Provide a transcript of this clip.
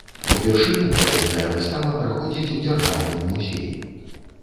Упершыню падобная выстава праходзіць у дзяржаўным музеі.